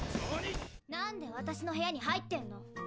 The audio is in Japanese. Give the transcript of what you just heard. なんで私の部屋に入ってんの？